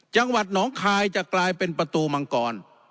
จังหวัดหนองคายจะกลายเป็นประตูมังกร